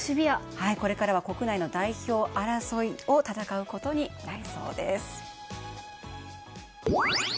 これからは国内の代表争いを戦うことになりそうです。